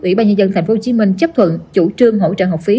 ủy ban nhân dân tp hcm chấp thuận chủ trương hỗ trợ học phí